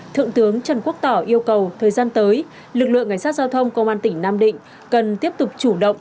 thượng tướng trần quốc tỏ yêu cầu thời gian tới lực lượng cảnh sát giao thông công an tỉnh nam định cần tiếp tục chủ động